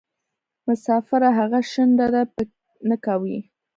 مسافره هغه شڼډه ده پۍ نکوي.